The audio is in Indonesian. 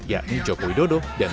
yakni joko widodo dan prabowo subianto